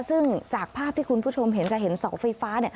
ซึ่งจากภาพที่คุณผู้ชมเห็นจะเห็นเสาไฟฟ้า